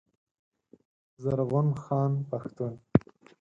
زرغون خان پښتون